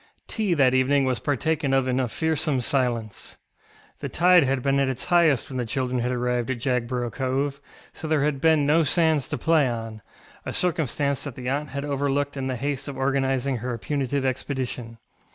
Tea that evening was partaken of in a fearsome silence. The tide had been at its highest when the children had arrived at Jagborough Cove, so there had been no sands to play onŌĆöa circumstance that the aunt had overlooked in the haste of organising her punitive expedition.